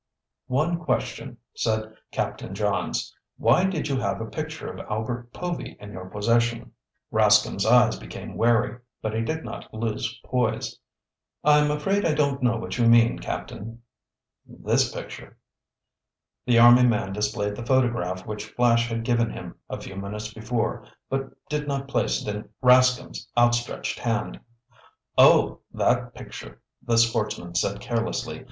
"One question," said Captain Johns. "Why did you have a picture of Albert Povy in your possession?" Rascomb's eyes became wary, but he did not lose poise. "I'm afraid I don't know what you mean, Captain." "This picture." The army man displayed the photograph which Flash had given him a few minutes before, but did not place it in Rascomb's outstretched hand. "Oh, that picture," the sportsman said carelessly.